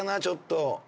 ちょっと。